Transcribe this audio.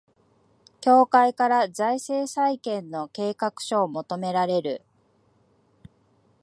協会から財政再建の計画書を求められる